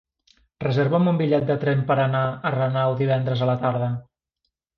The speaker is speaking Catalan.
Reserva'm un bitllet de tren per anar a Renau divendres a la tarda.